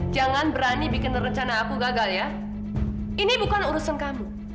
jangan berani bikin rencana aku gagal ya ini bukan urusan kamu